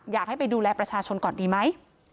อยากให้ไปดูแลมันก่อนดีไหม